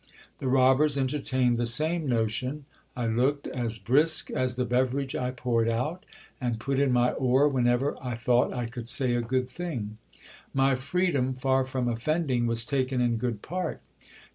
The robbers entertained the same notion. I looked as brisk as the beverage I poured out, and put in my oar whenever I thought I could say a good thing. My freedom, far from offending, was taken in good part.